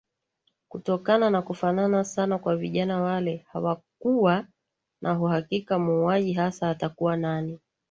Kutokana na kufanana sana kwa vijana wale hawakuwa na uhakika muuaji hasa atakuwa nani